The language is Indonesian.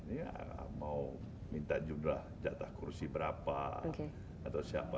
ya mau minta jumlah jatah kursi berapa atau siapa